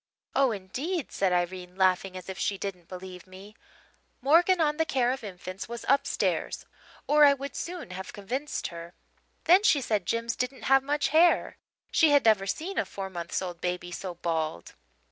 "'Oh, indeed!' said Irene, laughing as if she didn't believe me. 'Morgan on the Care of Infants' was upstairs or I would soon have convinced her. Then she said Jims didn't have much hair she had never seen a four months' old baby so bald.